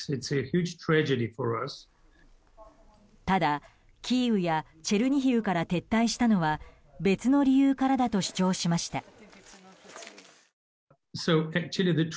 ただ、キーウやチェルニヒウから撤退したのは別の理由からだと主張しました。